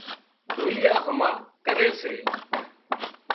ڍوليئا هما ڪري سي